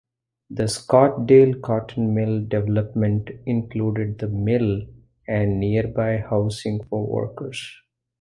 The Scottdale Cotton Mill development included the mill and nearby housing for workers.